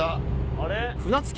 あれ？